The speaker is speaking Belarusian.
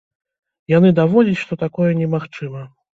Яны даводзяць, што такое не магчыма.